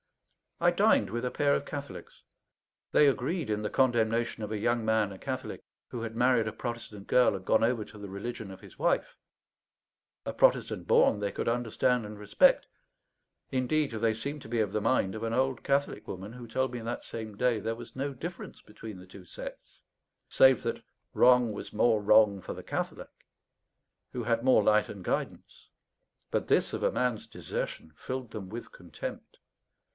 I dined with a pair of Catholics. They agreed in the condemnation of a young man, a Catholic, who had married a Protestant girl and gone over to the religion of his wife. A Protestant born they could understand and respect: indeed, they seemed to be of the mind of an old Catholic woman, who told me that same day there was no difference between the two sects, save that "wrong was more wrong for the Catholic," who had more light and guidance; but this of a man's desertion filled them with contempt.